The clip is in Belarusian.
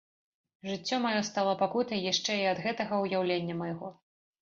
Жыццё маё стала пакутай яшчэ і ад гэтага ўяўлення майго.